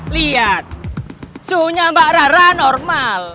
lihat suhunya mbak rara normal